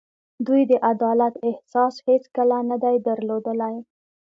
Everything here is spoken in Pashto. دوی د عدالت احساس هېڅکله نه دی درلودلی.